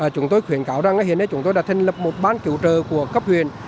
chúng tôi khuyến cáo rằng hiện nay chúng tôi đã thành lập một bán cứu trợ của cấp huyền